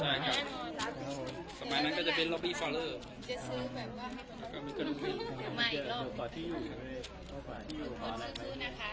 เพราะไม่รู้มีชุดอะไร